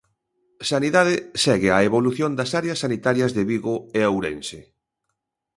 Sanidade segue a evolución das áreas sanitarias de Vigo e Ourense.